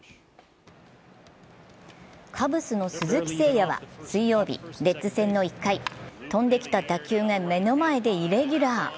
カブスの鈴木誠也は水曜日、レッズ戦の１回、飛んできた打球が目の前にイレギュラー。